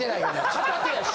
片手やし！